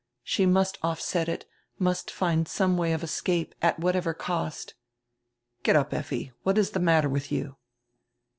She must offset it, must find some way of escape, at whatever cost. "Get up, Effi. What is the matter with you?"